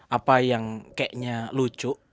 apa yang kayaknya lucu